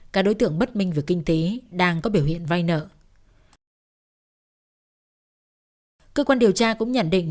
các đối tượng bất minh nghi vấn trên địa bàn trong đó tập trung vào các đối tượng đầu sỏ trong các vụ trộm các đối tượng nghiện ma túy cờ bà